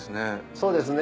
そうですね。